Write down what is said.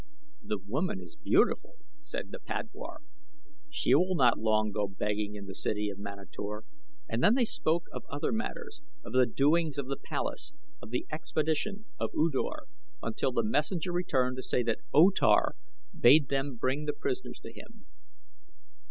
"The woman is beautiful," said the padwar. "She will not long go begging in the city of Manator," and then they spoke of other matters of the doings of the palace, of the expedition of U Dor, until the messenger returned to say that O Tar bade them bring the prisoners to him.